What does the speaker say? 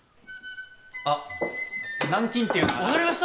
あッ南京っていうのは分かりました！